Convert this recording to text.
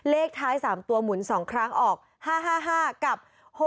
เลขท้าย๓ตัวหมุน๒ครั้งออก๕๕กับ๖๖